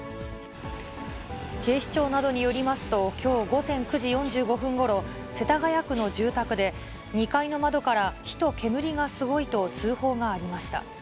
警視庁などによりますと、きょう午前９時４５分ごろ、世田谷区の住宅で、２階の窓から火と煙がすごいと通報がありました。